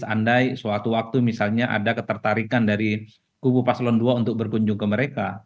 jadi suatu waktu misalnya ada ketertarikan dari kubu paslon ii untuk berkunjung ke mereka